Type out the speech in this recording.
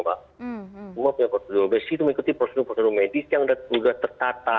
semua punya prosedur itu mengikuti prosedur prosedur medis yang sudah tertata